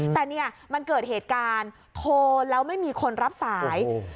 แต่เนี่ยมันเกิดเหตุการณ์โทรแล้วไม่มีคนรับสาย